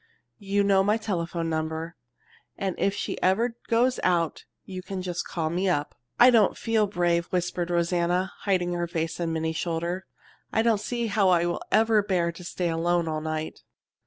You know my telephone number, and if she ever goes out you just call me up." "I don't feel brave," whispered Rosanna, hiding her face on Minnie's shoulder. "I don't see how I will ever bear to stay alone all night."